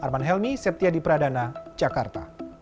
batch ketiga sebelas dua puluh tujuh perusahaan